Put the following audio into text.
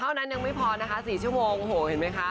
เท่านั้นยังไม่พอนะคะ๔ชั่วโมงโอ้โหเห็นมั้ยคะ